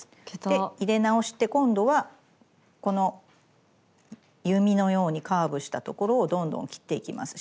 で入れ直して今度はこの弓のようにカーブしたところをどんどん切っていきます。